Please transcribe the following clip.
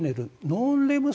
ノンレム